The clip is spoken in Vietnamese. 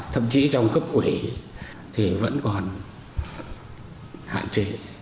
thậm chí trong cấp quỷ thì vẫn còn hạn chế